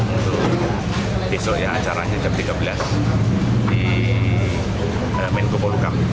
untuk besok ya acara hukam tiga belas di kemenkopol hukam